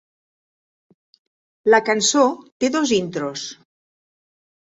La cançó té dos intros.